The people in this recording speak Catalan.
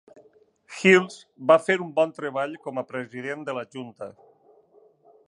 Hills va fer un bon treball com a president de la junta.